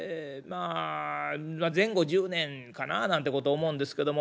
あ前後１０年かななんてこと思うんですけども。